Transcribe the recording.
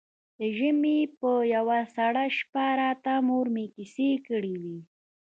د ژمي په يوه سړه شپه راته مور مې کيسې کړې وې.